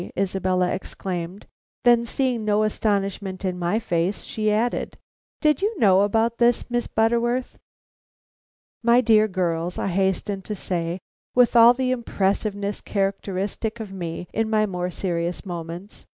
Isabella exclaimed. Then seeing no astonishment in my face, she added: "Did you know about this, Miss Butterworth?" "My dear girls," I hastened to say, with all the impressiveness characteristic of me in my more serious moments.